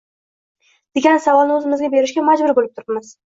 degan savolni o‘zimizga berishga majbur bo‘lib turibmiz.